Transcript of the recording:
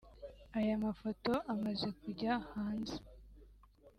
Aya mafoto amaze kujya hanze